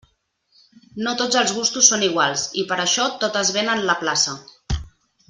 No tots els gustos són iguals, i per això tot es ven en la plaça.